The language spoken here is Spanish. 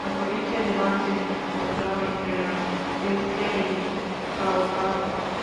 La provincia de Van se encontraba entre Persia y el Cáucaso.